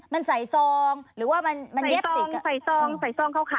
มันใส่ซองหรือว่ามันเย็บติดกันใส่ซองใส่ซองขาวค่ะ